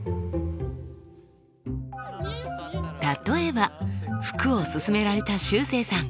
例えば服をすすめられたしゅうせいさん。